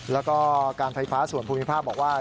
แล้วก็การไฟฟ้าส่วนภูมิภาคบอกว่า